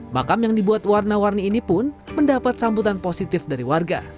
makam yang dibuat warna warni ini pun mendapat sambutan positif dari warga